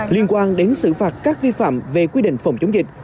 liên quan đến xử phạt các vi phạm về quy định phòng chống dịch